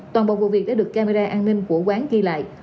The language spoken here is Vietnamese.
toàn bộ vụ việc đã được camera an ninh của quán ghi lại